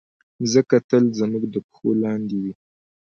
مځکه تل زموږ د پښو لاندې وي.